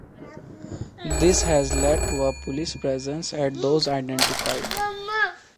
This has led to a police presence at those identified.